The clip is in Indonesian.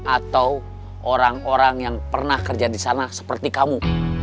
atau orang orang yang pernah kerja di sana seperti kamu